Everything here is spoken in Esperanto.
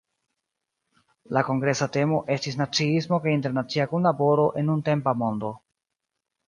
La kongresa temo estis "Naciismo kaj internacia kunlaboro en nuntempa mondo".